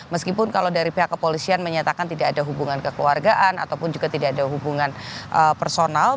meskipun kalau dari pihak kepolisian menyatakan tidak ada hubungan kekeluargaan ataupun juga tidak ada hubungan personal